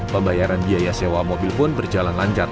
pembayaran biaya sewa mobil pun berjalan lancar